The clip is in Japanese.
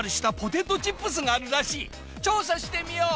調査してみよう！